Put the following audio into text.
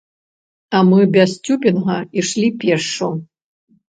А мы без цюбінга ішлі пешшу.